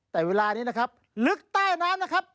แต่เวลานี้นะครับลึกใต้น้ำนะครับ